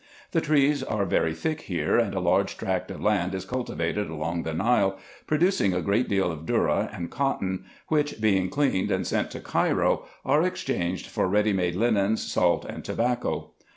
The trees are very thick here, and a large tract of land is cultivated along the Nile, producing a great deal of dhourra and cotton, which, being cleaned and sent to Cairo, are exchanged for ready made lines, salt, and tobacco.